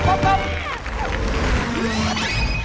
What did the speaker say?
พับพับพับ